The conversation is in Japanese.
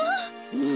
うん？